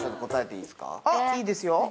いいですよ。